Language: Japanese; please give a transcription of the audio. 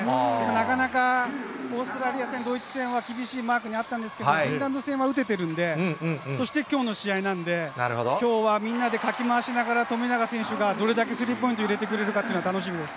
なかなかオーストラリア戦、ドイツ戦は厳しいマークにあったんですけれども、フィンランド戦は打ててるんで、そしてきょうの試合なんで、きょうはみんなでかき回しながら富永選手がどれだけスリーポイント入れてくれるかというのが楽しみです。